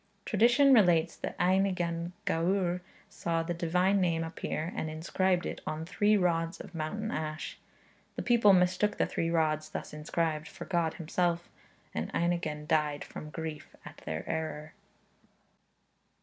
Tradition relates that Einigan Gawr saw the Divine Name appear, and inscribed it on three rods of mountain ash. The people mistook the three rods thus inscribed for God himself, and Einigan died from grief at their error.